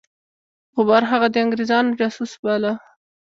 غبار هغه د انګرېزانو جاسوس باله.